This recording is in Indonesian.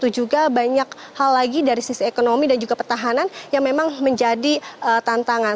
juga banyak hal lagi dari sisi ekonomi dan juga pertahanan yang memang menjadi tantangan